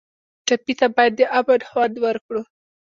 ټپي ته باید د امن خوند ورکړو.